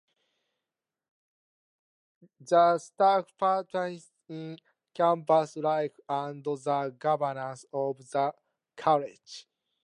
The staff participates in campus life and governance of the college.